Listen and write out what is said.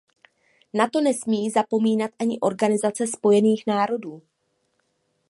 Na to nesmí zapomínat ani Organizace spojených národů.